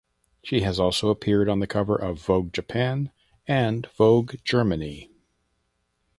She has also appeared on the cover of "Vogue Japan" and "Vogue Germany".